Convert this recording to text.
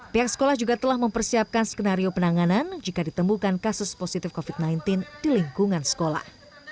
pihak sekolah juga telah mempersiapkan skenario penanganan jika ditemukan kasus positif covid sembilan belas di lingkungan sekolah